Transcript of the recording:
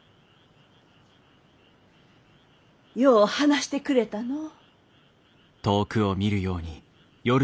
よう話してくれたのう。